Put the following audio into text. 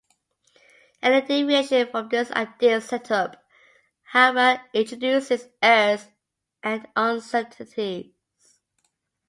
Any deviation from this ideal setup, however, introduces errors and uncertainties.